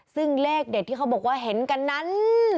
ซึ่งเลขเด็ดที่เขาบอกว่าเห็นกันนั้น